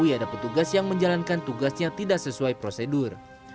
ada petugas yang menjalankan tugasnya tidak sesuai prosedur